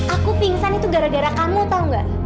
aku pingsan itu gara gara kamu tau gak